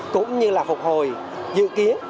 cũng như là phục hồi dự kiến